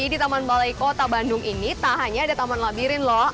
jadi di taman balai kota bandung ini tak hanya ada taman labirin lho